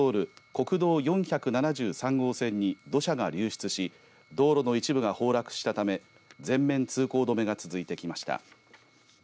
国道４７３号線に土砂が流出し道路の一部が崩落したため全面通行止めが続いていました。